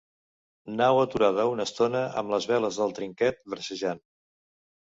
Nau aturada una estona, amb les veles del trinquet bracejant.